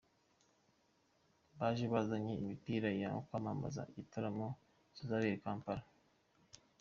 Baje bazanye imipira yo kwamamaza igitaramo kizabera Kampala.